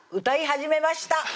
歌い始めました！